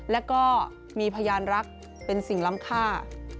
แล้วก็มีพยานรักเป็นสิ่งล้ำค่า